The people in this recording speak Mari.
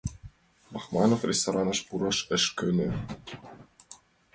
Бахманов рестораныш пураш ыш кӧнӧ.